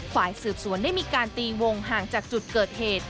ฝ่ายสืบสวนได้มีการตีวงห่างจากจุดเกิดเหตุ